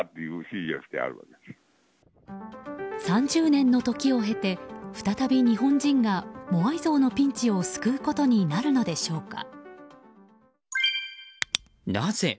３０年の時を経て再び日本人がモアイ像のピンチを救うことになるのでしょうか。